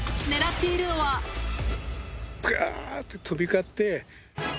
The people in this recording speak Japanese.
びゃーって飛び交って。